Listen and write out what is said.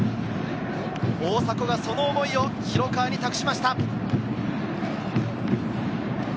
大迫がその思いを広川に託しました。